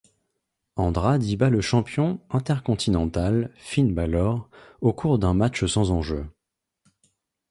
Andrade y bat le champion Intercontinental, Finn Bálor, au cours d'un match sans enjeu.